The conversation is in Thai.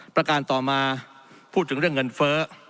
ประการต่อมาพูดถึงเรื่องเงินเฟ้อ